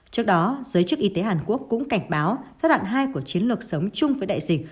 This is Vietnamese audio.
trước đó giới chức y tế hàn quốc cũng cảnh báo giai đoạn hai của chiến lược sống chung với đại dịch